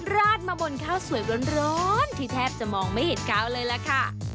ราดมาบนข้าวสวยร้อนที่แทบจะมองไม่เห็นกาวเลยล่ะค่ะ